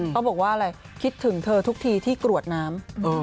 เขาบอกว่าอะไรคิดถึงเธอทุกทีที่กรวดน้ำ